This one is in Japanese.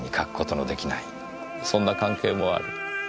そんな関係もある。